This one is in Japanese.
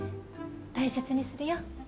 大切にするよ。